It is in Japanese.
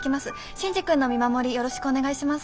真治君の見守りよろしくお願いします。